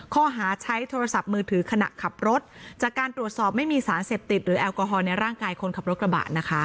ข้อหาใช้โทรศัพท์มือถือขณะขับรถจากการตรวจสอบไม่มีสารเสพติดหรือแอลกอฮอลในร่างกายคนขับรถกระบะนะคะ